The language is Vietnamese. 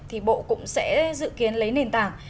thì bộ cũng sẽ dự kiến lấy nền tảng